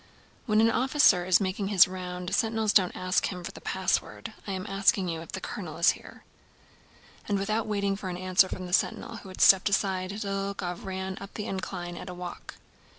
"When an officer is making his round, sentinels don't ask him for the password.... I am asking you if the colonel is here." And without waiting for an answer from the sentinel, who had stepped aside, Dólokhov rode up the incline at a walk.